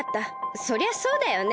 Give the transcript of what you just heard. そりゃそうだよね。